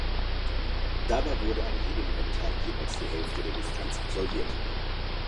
Dabei wurde an jedem Renntag jeweils die Hälfte der Distanz absolviert.